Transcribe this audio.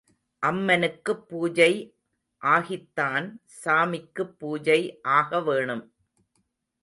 அம்மனுக்குப் பூஜை ஆகித்தான் சாமிக்குப் பூஜை ஆகவேணும்.